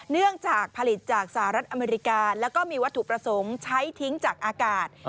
เนื่องจากผลิตจากสหรัฐอเมริกาแล้วก็มีวัตถุประสงค์ใช้ทิ้งจากอากาศ